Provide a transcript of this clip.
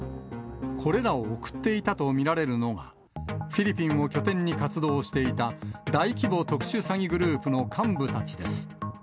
これらを送っていたと見られるのが、フィリピンを拠点に活動していた、大規模特殊詐欺グループの幹部たちです。